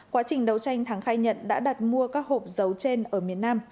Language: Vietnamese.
quá trình đấu tranh thắng khai nhận đã đặt mua các hộp dấu trên ở miền nam